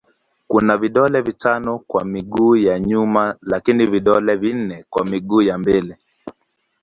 Kuna vidole vitano kwa miguu ya nyuma lakini vidole vinne kwa miguu ya mbele.